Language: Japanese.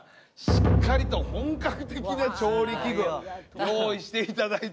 しっかりと本格的な調理器具用意していただいてもう。